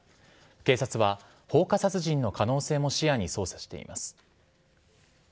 警察は放火殺人の可能性も視野に捜査しています。